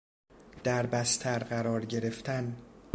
در بستر قرار گرفتن